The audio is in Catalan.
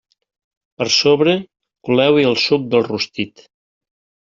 Per sobre coleu-hi el suc del rostit.